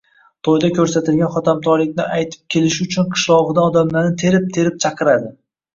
Toʻyda koʻrsatilgan hotamtoylikni aytib kelishi uchun qishlogʻidan odamlarni terib-terib chaqiradi